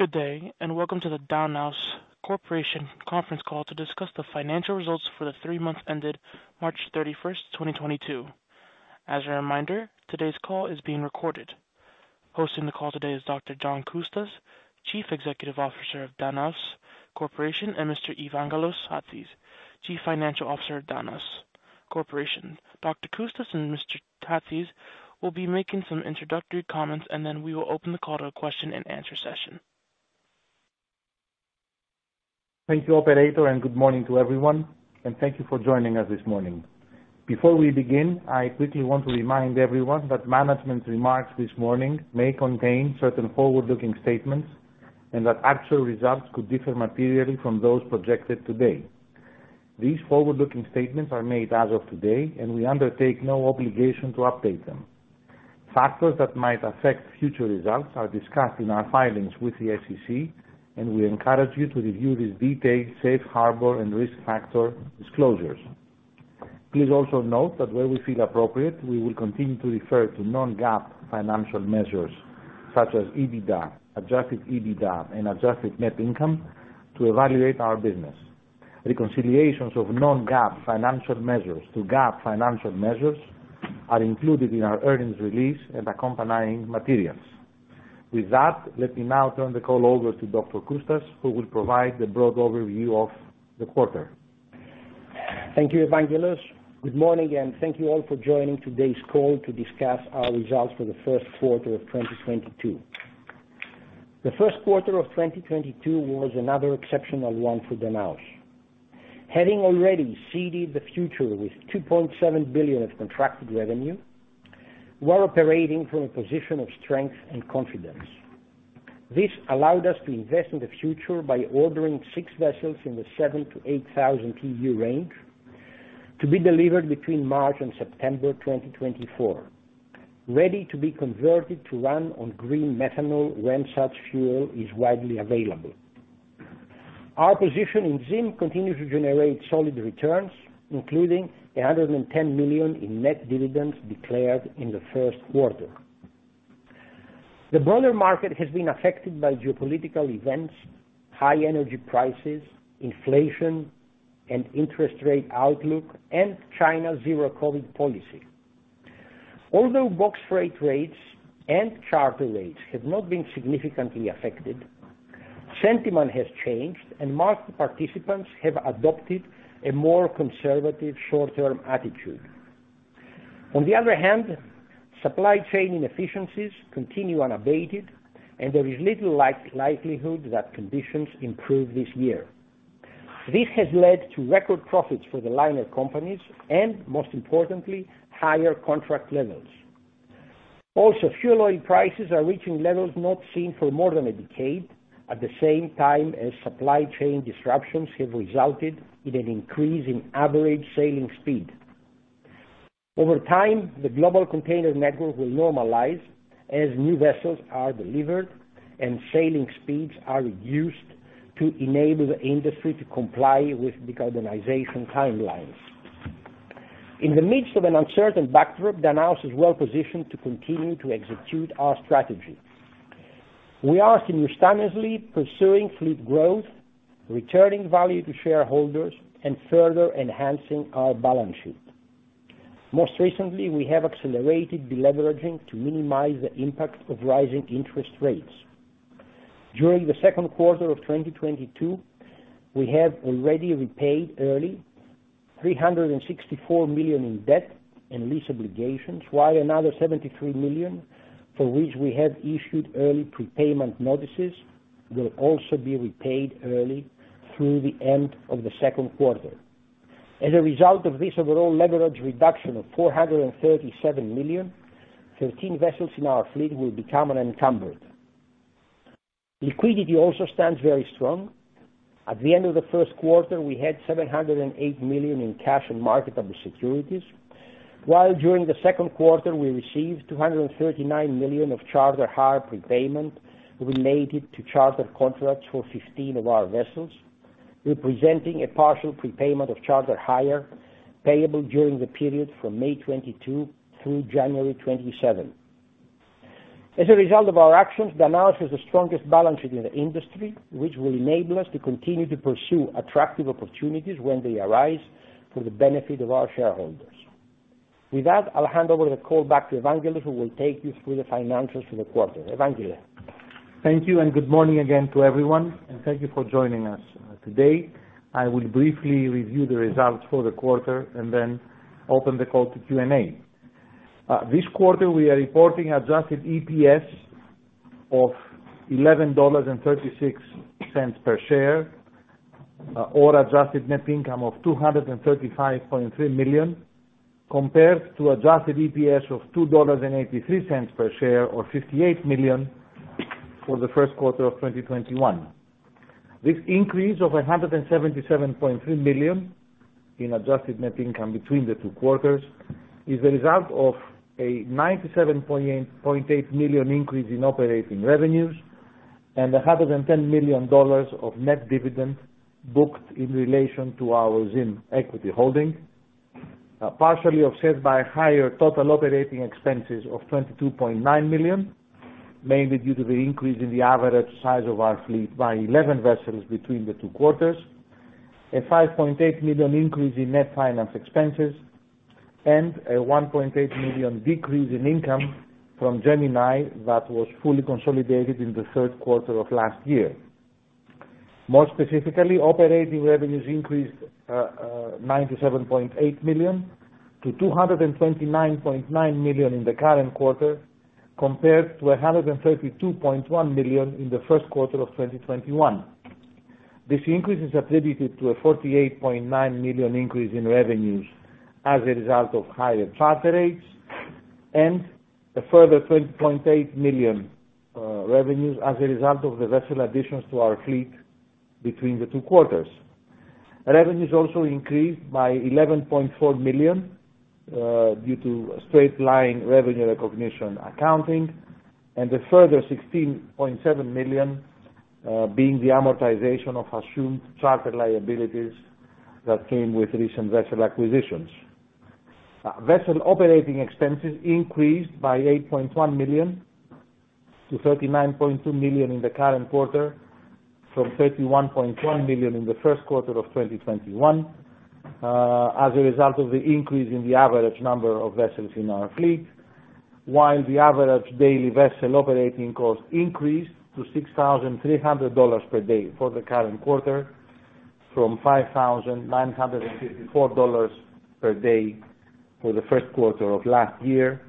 Good day, and welcome to the Danaos Corporation conference call to discuss the financial results for the three months ended March 31, 2022. As a reminder, today's call is being recorded. Hosting the call today is Dr. John Coustas, Chief Executive Officer of Danaos Corporation, and Mr. Evangelos Chatzis, Chief Financial Officer of Danaos Corporation. Dr. Coustas and Mr. Chatzis will be making some introductory comments, and then we will open the call to a question-and-answer session. Thank you, operator, and good morning to everyone, and thank you for joining us this morning. Before we begin, I quickly want to remind everyone that management's remarks this morning may contain certain forward-looking statements, and that actual results could differ materially from those projected today. These forward-looking statements are made as of today, and we undertake no obligation to update them. Factors that might affect future results are discussed in our filings with the SEC, and we encourage you to review these detailed safe harbor and risk factor disclosures. Please also note that where we feel appropriate, we will continue to refer to non-GAAP financial measures such as EBITDA, adjusted EBITDA, and adjusted net income to evaluate our business. Reconciliations of non-GAAP financial measures to GAAP financial measures are included in our earnings release and accompanying materials. With that, let me now turn the call over to Dr. Coustas, who will provide the broad overview of the quarter. Thank you, Evangelos. Good morning, and thank you all for joining today's call to discuss our results for the first quarter of 2022. The first quarter of 2022 was another exceptional one for Danaos. Having already seeded the future with $2.7 billion of contracted revenue, we're operating from a position of strength and confidence. This allowed us to invest in the future by ordering six vessels in the 7,000-8,000 TEU range to be delivered between March and September 2024, ready to be converted to run on green methanol when such fuel is widely available. Our position in ZIM continues to generate solid returns, including $110 million in net dividends declared in the first quarter. The broader market has been affected by geopolitical events, high energy prices, inflation and interest rate outlook, and China's zero-COVID policy. Although box freight rates and charter rates have not been significantly affected, sentiment has changed and market participants have adopted a more conservative short-term attitude. On the other hand, supply chain inefficiencies continue unabated, and there is little likelihood that conditions improve this year. This has led to record profits for the liner companies and, most importantly, higher contract levels. Also, fuel oil prices are reaching levels not seen for more than a decade, at the same time as supply chain disruptions have resulted in an increase in average sailing speed. Over time, the global container network will normalize as new vessels are delivered and sailing speeds are reduced to enable the industry to comply with decarbonization timelines. In the midst of an uncertain backdrop, Danaos is well-positioned to continue to execute our strategy. We are simultaneously pursuing fleet growth, returning value to shareholders, and further enhancing our balance sheet. Most recently, we have accelerated deleveraging to minimize the impact of rising interest rates. During the second quarter of 2022, we have already repaid early $364 million in debt and lease obligations, while another $73 million, for which we have issued early prepayment notices, will also be repaid early through the end of the second quarter. As a result of this overall leverage reduction of $437 million, 13 vessels in our fleet will become unencumbered. Liquidity also stands very strong. At the end of the first quarter, we had $708 million in cash and marketable securities, while during the second quarter, we received $239 million of charter hire prepayment related to charter contracts for 15 of our vessels, representing a partial prepayment of charter hire payable during the period from May 2022 through January 2027. As a result of our actions, Danaos has the strongest balance sheet in the industry, which will enable us to continue to pursue attractive opportunities when they arise for the benefit of our shareholders. With that, I'll hand over the call back to Evangelos who will take you through the financials for the quarter. Evangelos. Thank you, and good morning again to everyone, and thank you for joining us today. I will briefly review the results for the quarter and then open the call to Q&A. This quarter we are reporting adjusted EPS of $11.36 per share, or adjusted net income of $235.3 million, compared to adjusted EPS of $2.83 per share or $58 million for the first quarter of 2021. This increase of $177.3 million in adjusted net income between the two quarters is the result of a ninety-seven point. $8 million increase in operating revenues and $110 million of net dividends booked in relation to our ZIM equity holdings. A partially offset by higher total operating expenses of $22.9 million, mainly due to the increase in the average size of our fleet by 11 vessels between the two quarters. A $5.8 million increase in net finance expenses and a $1.8 million decrease in income from Gemini that was fully consolidated in the third quarter of last year. More specifically, operating revenues increased $97.8 million to $229.9 million in the current quarter compared to $132.1 million in the first quarter of 2021. This increase is attributed to a $48.9 million increase in revenues as a result of higher charter rates and a further $20.8 million revenues as a result of the vessel additions to our fleet between the two quarters. Revenues also increased by $11.4 million due to straight-line revenue recognition accounting and a further $16.7 million being the amortization of assumed charter liabilities that came with recent vessel acquisitions. Vessel operating expenses increased by $8.1 million to $39.2 million in the current quarter from $31.1 million in the first quarter of 2021, as a result of the increase in the average number of vessels in our fleet while the average daily vessel operating cost increased to $6,300 per day for the current quarter from $5,954 per day for the first quarter of last year,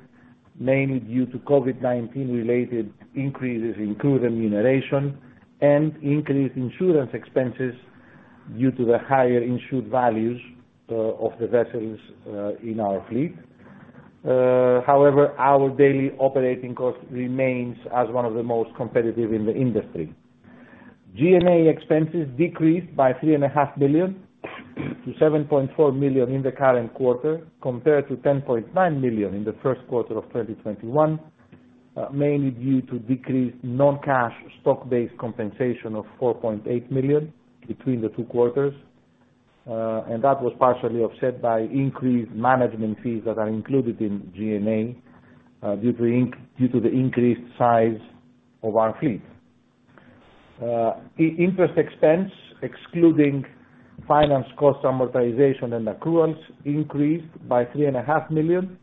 mainly due to COVID-19 related increases in crew remuneration and increased insurance expenses due to the higher insured values of the vessels in our fleet. However, our daily operating cost remains as one of the most competitive in the industry. G&A expenses decreased by $3.5 million to $7.4 million in the current quarter compared to $10.9 million in the first quarter of 2021, mainly due to decreased non-cash stock-based compensation of $4.8 million between the two quarters. That was partially offset by increased management fees that are included in G&A, due to the increased size of our fleet. Interest expense, excluding finance cost amortization and accruals increased by $3.5 million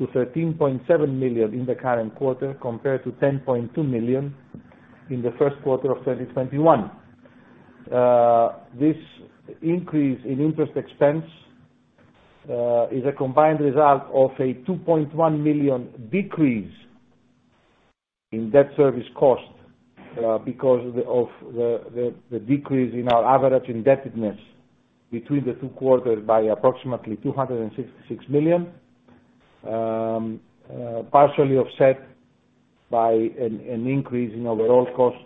to $13.7 million in the current quarter compared to $10.2 million in the first quarter of 2021. This increase in interest expense is a combined result of a $2.1 million decrease in debt service cost because of the decrease in our average indebtedness between the two quarters by approximately $266 million, partially offset by an increase in overall cost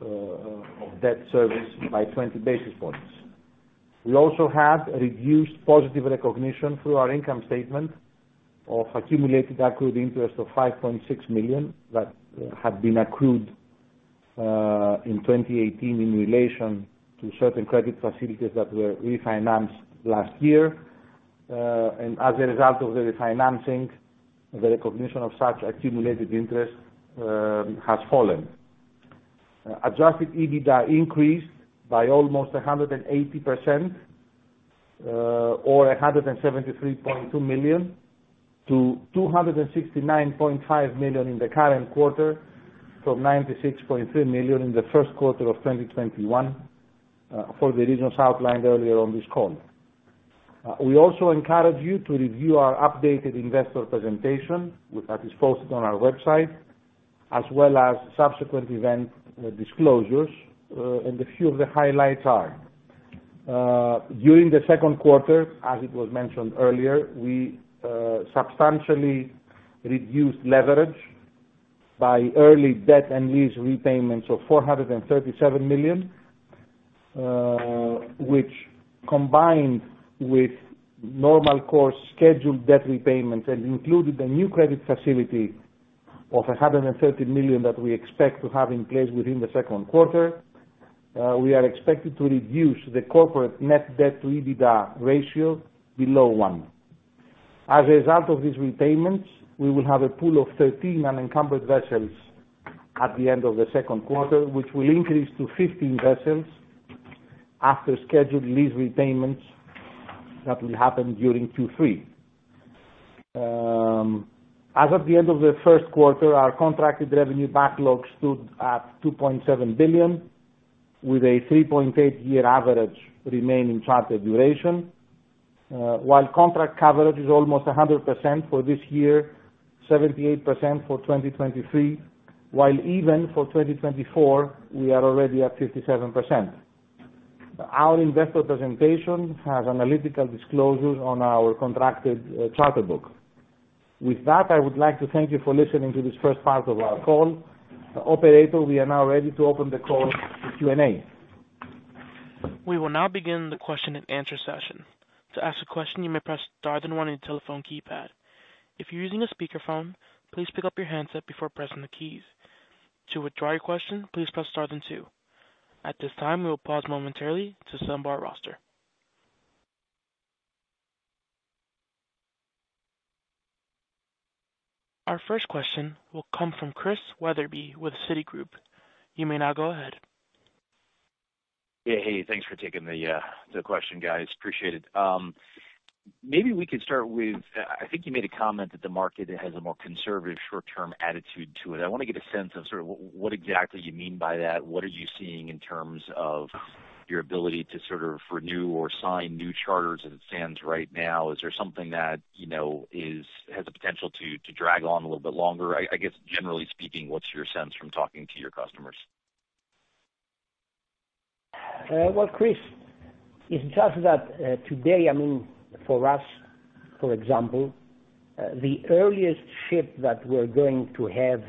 of debt service by 20 basis points. We also have a reduced positive recognition through our income statement of accumulated accrued interest of $5.6 million that had been accrued in 2018 in relation to certain credit facilities that were refinanced last year. As a result of the refinancing, the recognition of such accumulated interest has fallen. Adjusted EBITDA increased by almost 180%, or $173.2 million to $269.5 million in the current quarter from $96.3 million in the first quarter of 2021, for the reasons outlined earlier on this call. We also encourage you to review our updated investor presentation that is posted on our website as well as subsequent event disclosures. A few of the highlights are, during the second quarter, as it was mentioned earlier, we substantially reduced leverage by early debt and lease repayments of $437 million, which combined with normal course scheduled debt repayments and included a new credit facility of $130 million that we expect to have in place within the second quarter. We are expected to reduce the corporate net debt to EBITDA ratio below one. As a result of these repayments, we will have a pool of 13 unencumbered vessels at the end of the second quarter, which will increase to 15 vessels after scheduled lease repayments that will happen during 2023. As of the end of the first quarter, our contracted revenue backlog stood at $2.7 billion with a 3.8-year average remaining charter duration. While contract coverage is almost 100% for this year, 78% for 2023, while even for 2024, we are already at 57%. Our investor presentation has analytical disclosures on our contracted charter book. With that, I would like to thank you for listening to this first part of our call. Operator, we are now ready to open the call for Q&A. We will now begin the question and answer session. To ask a question, you may press star then one on your telephone keypad. If you're using a speakerphone, please pick up your handset before pressing the keys. To withdraw your question, please press star then two. At this time, we'll pause momentarily to assemble the roster. Our first question will come from Chris Wetherbee with Citigroup. You may now go ahead. Yeah. Hey, thanks for taking the question, guys. Appreciate it. Maybe we could start with I think you made a comment that the market has a more conservative short-term attitude to it. I wanna get a sense of sort of what exactly you mean by that. What are you seeing in terms of your ability to sort of renew or sign new charters as it stands right now? Is there something that has the potential to drag on a little bit longer? I guess generally speaking, what's your sense from talking to your customers? Well, Chris, it's just that today, I mean, for us, for example, the earliest ship that we're going to have,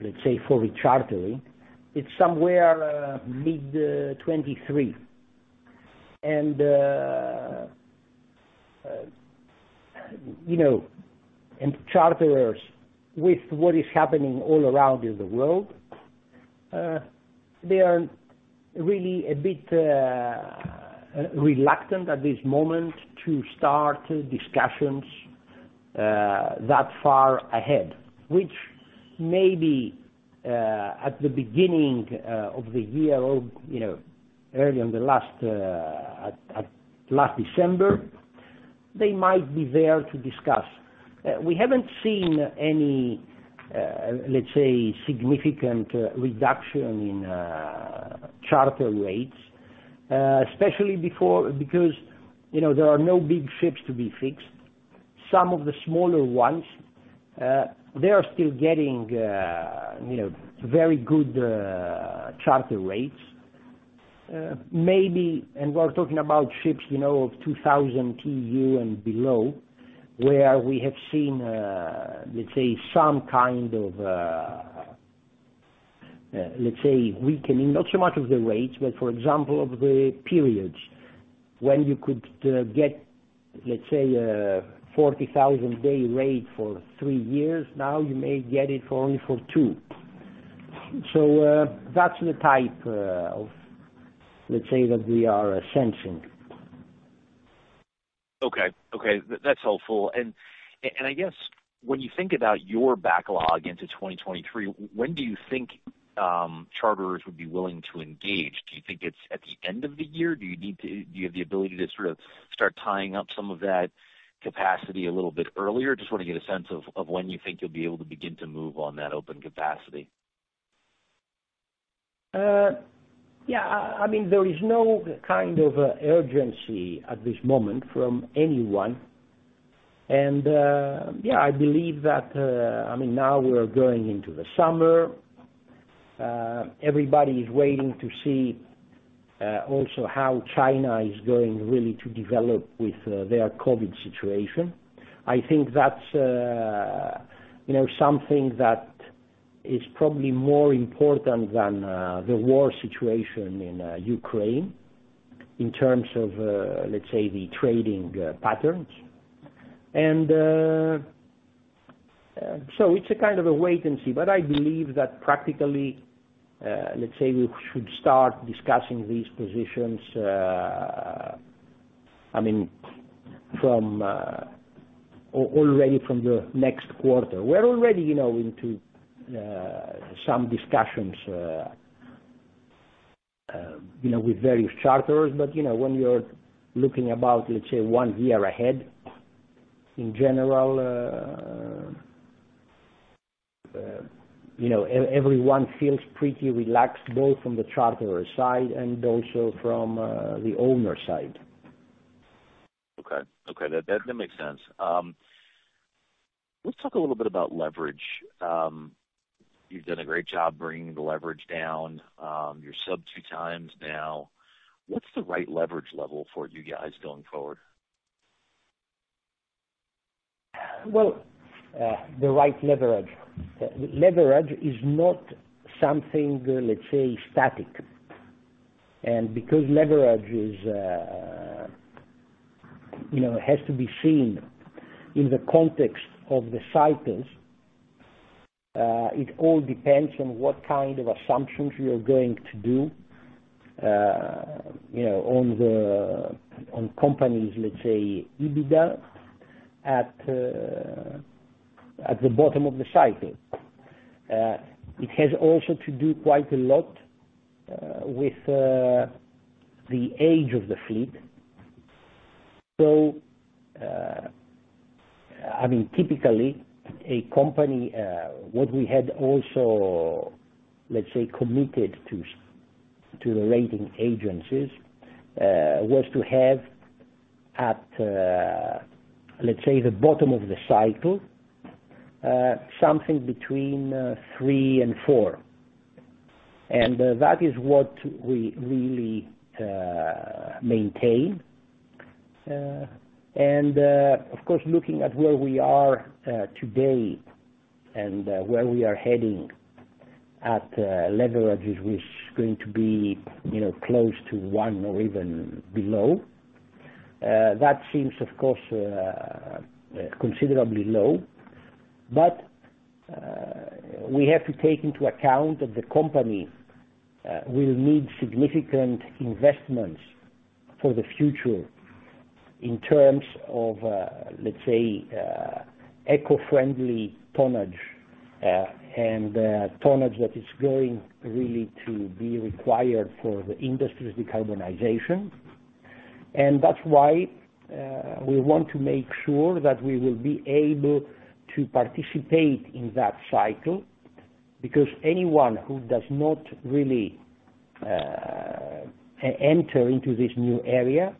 let's say, for rechartering, it's somewhere mid-2023. You know, charterers with what is happening all around in the world, they are really a bit reluctant at this moment to start discussions that far ahead, which maybe at the beginning of the year or, you know, early on, at last December, they might be there to discuss. We haven't seen any, let's say, significant reduction in charter rates, especially before, because, you know, there are no big ships to be fixed. Some of the smaller ones, they are still getting, you know, very good charter rates. Maybe we're talking about ships, you know, of 2,000 TEU and below, where we have seen, let's say some kind of weakening, not so much of the rates, but for example of the periods when you could get, let's say, $40,000 day rate for three years. Now you may get it for only two. That's the type of let's say that we are sensing. Okay. That's helpful. I guess when you think about your backlog into 2023, when do you think charterers would be willing to engage? Do you think it's at the end of the year? Do you have the ability to sort of start tying up some of that capacity a little bit earlier? Just wanna get a sense of when you think you'll be able to begin to move on that open capacity. Yeah. I mean, there is no kind of urgency at this moment from anyone. Yeah, I believe that, I mean, now we are going into the summer. Everybody is waiting to see, also how China is going really to develop with their COVID situation. I think that's, you know, something that is probably more important than the war situation in Ukraine in terms of, let's say the trading patterns. It's a kind of a wait and see. I believe that practically, let's say we should start discussing these positions, I mean, from already from the next quarter. We're already, you know, into some discussions, you know, with various charters. You know, when you're looking about, let's say, one year ahead, in general, you know, everyone feels pretty relaxed both from the charterer side and also from the owner side. Okay. That makes sense. Let's talk a little bit about leverage. You've done a great job bringing the leverage down, your sub 2x now. What's the right leverage level for you guys going forward? Well, the right leverage. Leverage is not something, let's say, static. Because leverage is, you know, has to be seen in the context of the cycles, it all depends on what kind of assumptions you're going to do, you know, on the company's, let's say, EBITDA at the bottom of the cycle. It has also to do quite a lot with the age of the fleet. I mean, typically a company what we had also, let's say, committed to the rating agencies was to have at, let's say, the bottom of the cycle, something between three and four. That is what we really maintain. Of course, looking at where we are today and where we are heading at, leverage, which is going to be, you know, close to one or even below. That seems of course considerably low. We have to take into account that the company will need significant investments for the future in terms of, let's say, eco-friendly tonnage and tonnage that is going really to be required for the industry's decarbonization. That's why we want to make sure that we will be able to participate in that cycle, because anyone who does not really enter into this new area,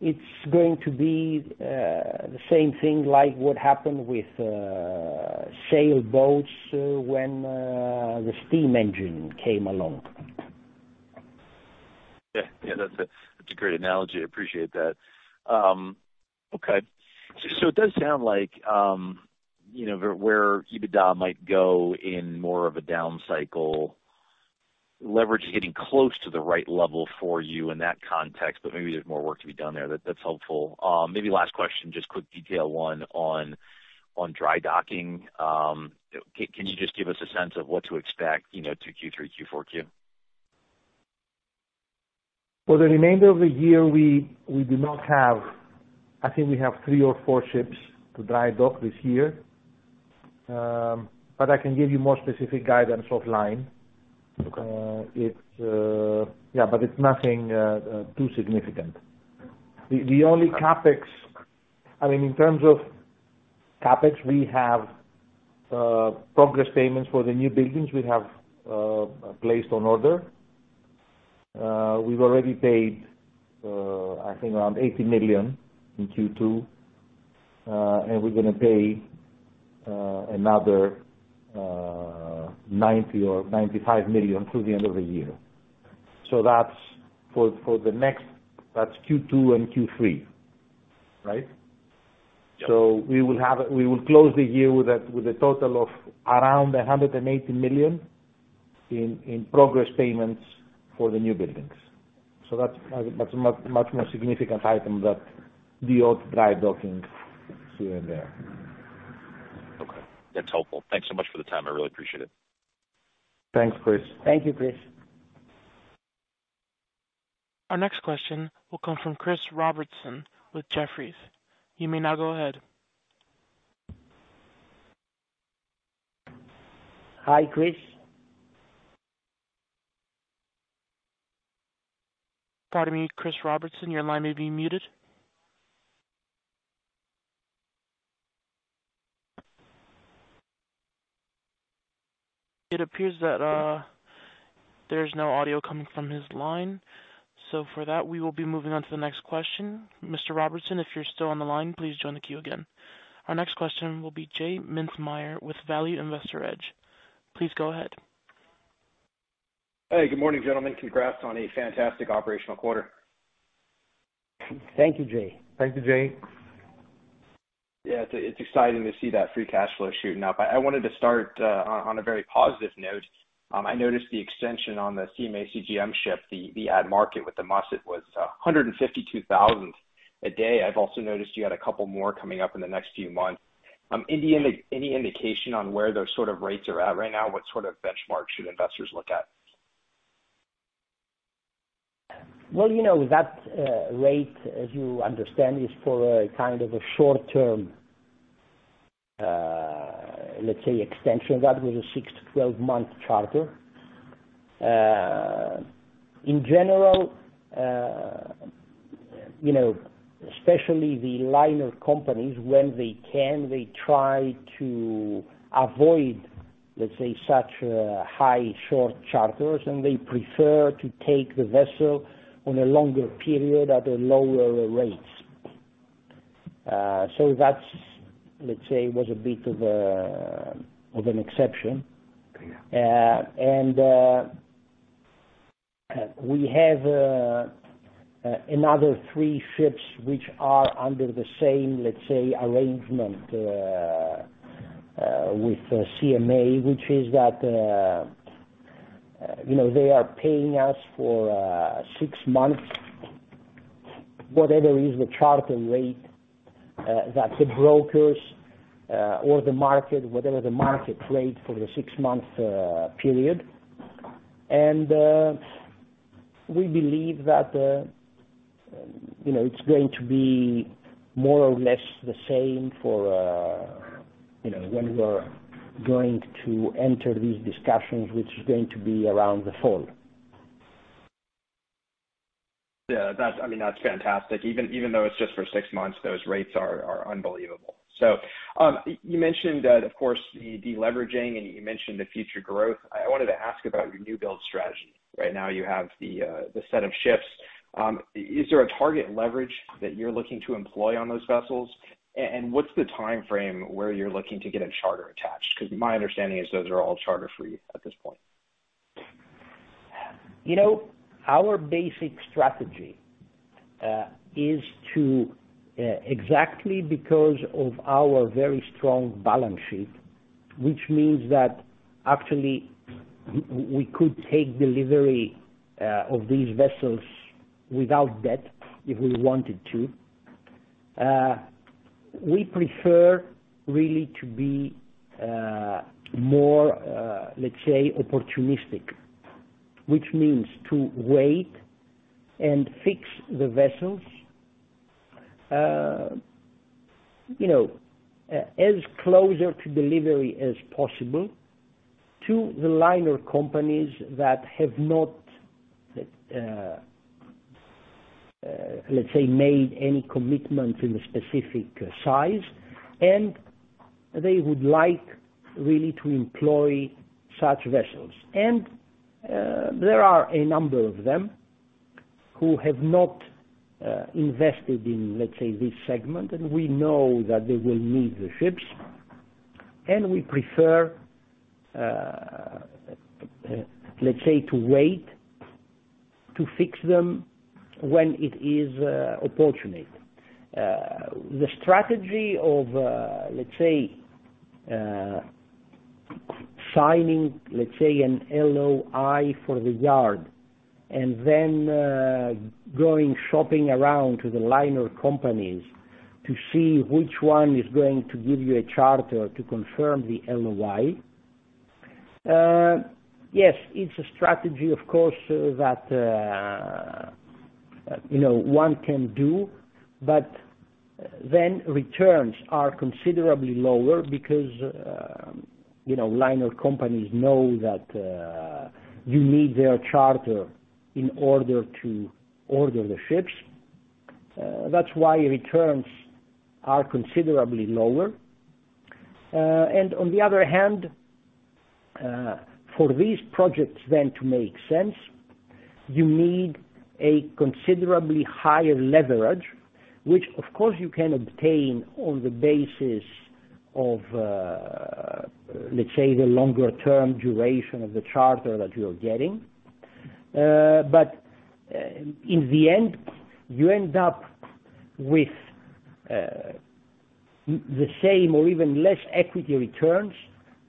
it's going to be the same thing like what happened with sailboats when the steam engine came along. Yeah. Yeah, that's a great analogy. I appreciate that. Okay. It does sound like, you know, where EBITDA might go in more of a down cycle. Leverage is getting close to the right level for you in that context, but maybe there's more work to be done there. That's helpful. Maybe last question, just quick detail one on dry docking. Can you just give us a sense of what to expect, you know, to Q3, Q4? For the remainder of the year, we do not have. I think we have three or four ships to dry dock this year. But I can give you more specific guidance offline. Okay. Yeah, it's nothing too significant. The only CapEx, I mean, in terms of CapEx, we have progress payments for the new buildings we have placed on order. We've already paid, I think around $80 million in Q2, and we're gonna pay another $90 million or $95 million through the end of the year. That's for the next, that's Q2 and Q3, right? Yeah. We will close the year with a total of around $180 million in progress payments for the new buildings. That's a much more significant item than the odd dry docking here and there. Okay. That's helpful. Thanks so much for the time. I really appreciate it. Thanks, Chris. Thank you, Chris. Our next question will come from Chris Robertson with Jefferies. You may now go ahead. Hi, Chris. Pardon me, Chris Robertson, your line may be muted. It appears that, there's no audio coming from his line. For that, we will be moving on to the next question. Mr. Robertson, if you're still on the line, please join the queue again. Our next question will be J Mintzmyer with Value Investor's Edge. Please go ahead. Hey, good morning, gentlemen. Congrats on a fantastic operational quarter. Thank you, J. Yeah, it's exciting to see that free cash flow shooting up. I wanted to start on a very positive note. I noticed the extension on the CMA CGM ship, the at market with the Monet was $152,000 a day. I've also noticed you had a couple more coming up in the next few months. Any indication on where those sort of rates are at right now? What sort of benchmark should investors look at? Well, you know, that rate, as you understand, is for a kind of a short-term, let's say extension. That was a 6-12 month charter. In general, you know, especially the liner companies, when they can, they try to avoid, let's say, such high short charters, and they prefer to take the vessel on a longer period at a lower rates. That's, let's say, was a bit of an exception. Yeah. We have another three ships which are under the same, let's say, arrangement with CMA, which is that you know, they are paying us for six months. Whatever is the charter rate that the brokers or the market, whatever the market rate for the six-month period. We believe that you know, it's going to be more or less the same for you know, when we're going to enter these discussions, which is going to be around the fall. Yeah, I mean, that's fantastic. Even though it's just for six months, those rates are unbelievable. You mentioned that, of course, the deleveraging, and you mentioned the future growth. I wanted to ask about your new build strategy. Right now you have the set of ships. Is there a target leverage that you're looking to employ on those vessels? And what's the timeframe where you're looking to get a charter attached? Because my understanding is those are all charter free at this point. You know, our basic strategy is exactly because of our very strong balance sheet, which means that actually we could take delivery of these vessels without debt if we wanted to. We prefer really to be more, let's say, opportunistic, which means to wait and fix the vessels, you know, as closer to delivery as possible to the liner companies that have not, let's say, made any commitment in the specific size, and they would like really to employ such vessels. There are a number of them who have not invested in, let's say, this segment, and we know that they will need the ships, and we prefer, let's say, to wait to fix them when it is opportune. The strategy of, let's say, signing, let's say, an LOI for the yard and then, going shopping around to the liner companies to see which one is going to give you a charter to confirm the LOI. Yes, it's a strategy, of course, that, you know, one can do, but then returns are considerably lower because, you know, liner companies know that, you need their charter in order to order the ships. That's why returns are considerably lower. On the other hand, for these projects then to make sense, you need a considerably higher leverage, which of course you can obtain on the basis of, let's say, the longer term duration of the charter that you're getting. in the end, you end up with the same or even less equity returns,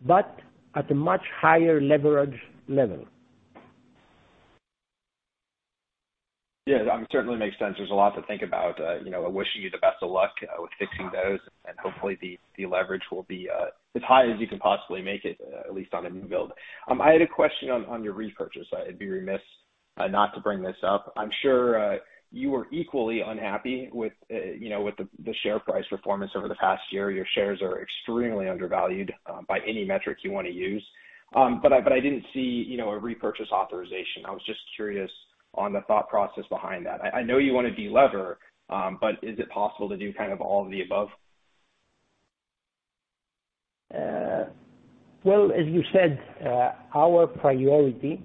but at a much higher leverage level. Yeah. That certainly makes sense. There's a lot to think about. You know, I wish you the best of luck with fixing those, and hopefully the leverage will be as high as you can possibly make it, at least on a new build. I had a question on your repurchase. I'd be remiss not to bring this up. I'm sure you were equally unhappy with you know, with the share price performance over the past year. Your shares are extremely undervalued by any metric you wanna use. I didn't see you know, a repurchase authorization. I was just curious on the thought process behind that. I know you wanna delever, but is it possible to do kind of all of the above? Well, as you said, our priority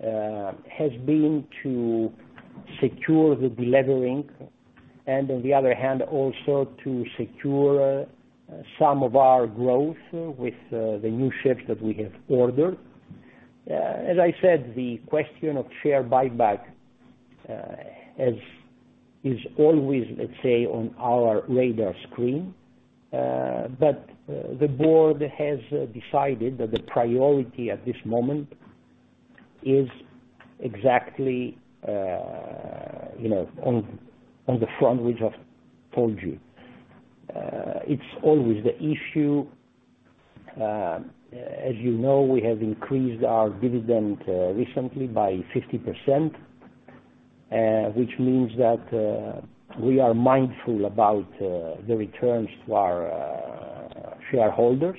has been to secure the delevering, and on the other hand, also to secure some of our growth with the new ships that we have ordered. As I said, the question of share buyback, as is always, let's say, on our radar screen, but the board has decided that the priority at this moment is exactly, you know, on the front, which I've told you. It's always the issue. As you know, we have increased our dividend recently by 50%, which means that we are mindful about the returns to our shareholders.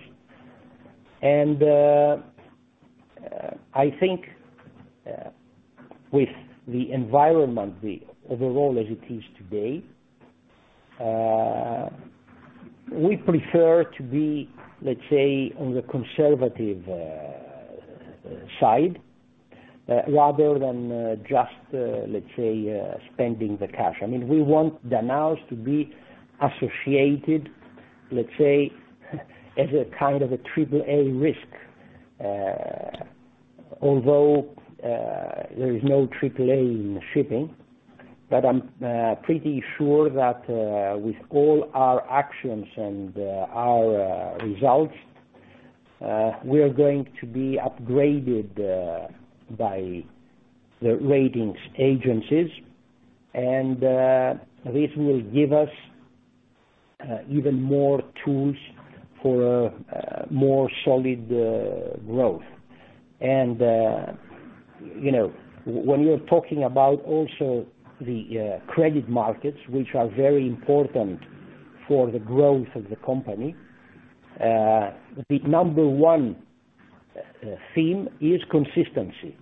I think with the environment, the overall as it is today, we prefer to be, let's say, on the conservative side, rather than just, let's say, spending the cash. I mean, we want Danaos to be associated, let's say, as a kind of a AAA risk. Although there is no AAA in shipping. I'm pretty sure that with all our actions and our results, we are going to be upgraded by the ratings agencies. This will give us even more tools for more solid growth. You know, when you're talking about also the credit markets, which are very important for the growth of the company, the number one theme is consistency.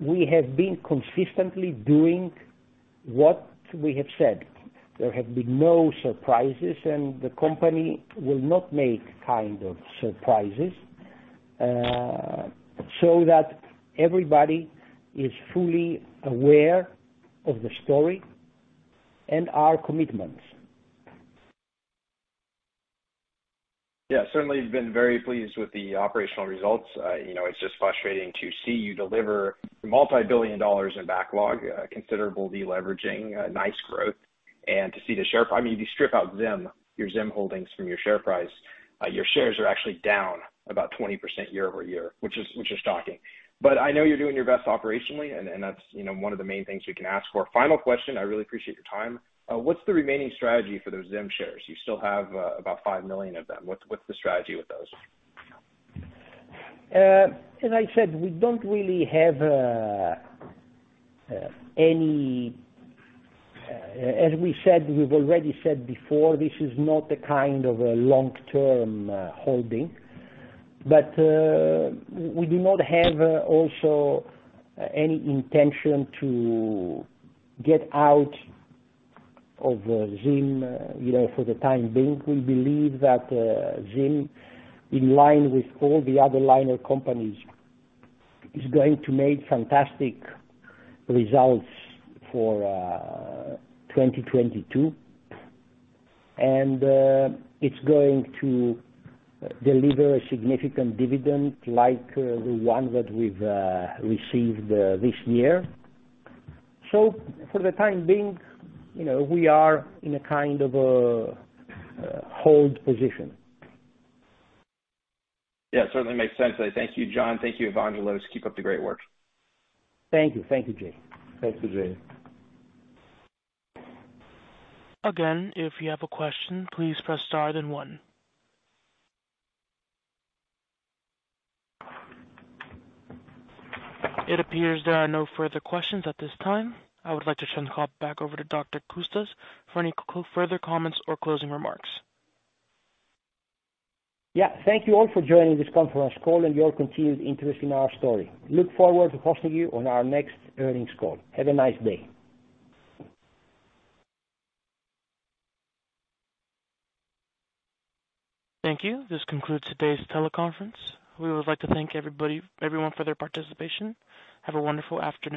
We have been consistently doing what we have said. There have been no surprises, and the company will not make kind of surprises, so that everybody is fully aware of the story and our commitments. Yeah, certainly been very pleased with the operational results. You know, it's just frustrating to see you deliver $multi-billion in backlog, considerable deleveraging, nice growth. I mean, if you strip out ZIM, your ZIM holdings from your share price, your shares are actually down about 20% year-over-year, which is shocking. I know you're doing your best operationally, and that's, you know, one of the main things we can ask for. Final question, I really appreciate your time. What's the remaining strategy for those ZIM shares? You still have about 5 million of them. What's the strategy with those? As we said, we've already said before, this is not the kind of a long-term holding, but we do not have also any intention to get out of Zim, you know, for the time being. We believe that Zim, in line with all the other liner companies, is going to make fantastic results for 2022. It's going to deliver a significant dividend like the one that we've received this year. For the time being, you know, we are in a kind of a hold position. Yeah, certainly makes sense. Thank you, John. Thank you, Evangelos. Keep up the great work. Thank you. Thank you, Jay. Thank you, Jay. Again, if you have a question, please press star then one. It appears there are no further questions at this time. I would like to turn the call back over to Dr. Coustas for any further comments or closing remarks. Yeah. Thank you all for joining this conference call and your continued interest in our story. Look forward to hosting you on our next earnings call. Have a nice day. Thank you. This concludes today's teleconference. We would like to thank everyone for their participation. Have a wonderful afternoon.